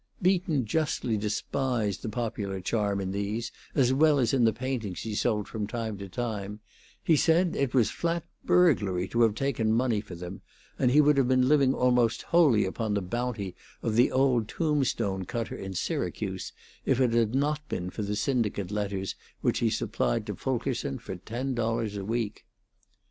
Beaton justly despised the popular charm in these, as well as in the paintings he sold from time to time; he said it was flat burglary to have taken money for them, and he would have been living almost wholly upon the bounty of the old tombstone cutter in Syracuse if it had not been for the syndicate letters which he supplied to Fulkerson for ten dollars a week.